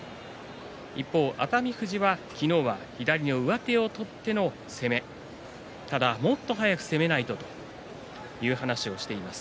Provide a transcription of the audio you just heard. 一方、熱海富士は、昨日は左の上手を取っての攻めただもっと速く攻めないとという話をしています。